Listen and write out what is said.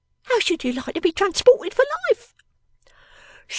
How should you like to be transported for life?